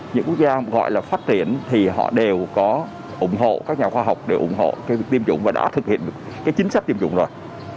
những quốc gia gọi là phát triển thì họ đều có ủng hộ các nhà khoa học đều ủng hộ tiêm chủng và đã thực hiện được chính sách tiêm chủng rồi